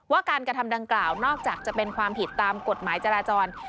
การกระทำดังกล่าวนอกจากจะเป็นความผิดตามกฎหมายจราจร